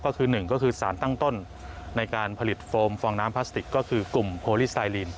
ก็คือหนึ่งก็คือสารตั้งต้นในการผลิตโฟมฟองน้ำพลาสติกก็คือกลุ่มโพลิสไซลีน